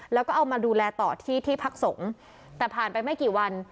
แล้วก็เอามาดูแลต่อที่ที่พักสงฆ์แต่ผ่านไปไม่กี่วัน